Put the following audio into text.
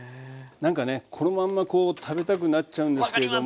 なんかねこのまんまこう食べたくなっちゃうんですけども。